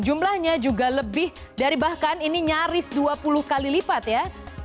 jumlahnya juga lebih dari bahkan ini nyaris dua puluh kali lipat ya